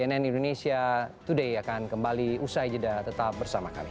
dan cnn indonesia today akan kembali usai jeda tetap bersama kami